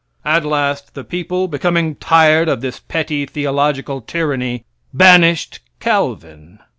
At last, the people becoming tired of this petty, theological tyranny, banished Calvin.